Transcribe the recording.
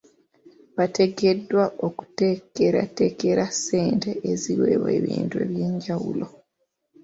Bateekeddwa okuteekerateekera ssente eziweebwa ebintu eby'enjawulo.